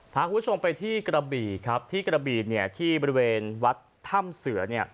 พาคุณผู้ชมไปที่กระบี่ครับที่กระบีเนี่ยที่บริเวณวัดถ้ำเสือเนี่ย